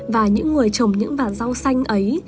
và những người trồng những vàng rau xanh ấy